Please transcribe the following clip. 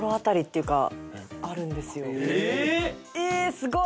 すごい！